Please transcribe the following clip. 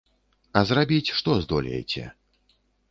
А зрабіць што здолееце?